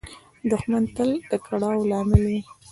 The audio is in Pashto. دښمن تل د کړاو لامل وي